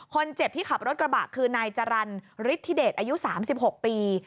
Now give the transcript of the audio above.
คนเจ็บที่ขับรถกระบะคือนายจรรย์ฤทธิเดชอายุ๓๖ปี